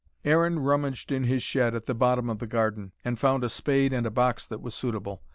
Aaron rummaged in his shed at the bottom of the garden, and found a spade and a box that was suitable.